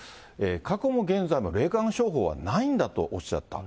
過去も現在も霊感商法はないんだとおっしゃった。